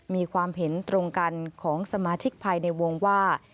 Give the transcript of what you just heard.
มีความเห็นตรงกันของสมาชิกภายในวงว่า